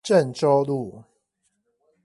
鄭州路